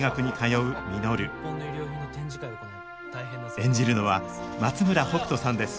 演じるのは松村北斗さんです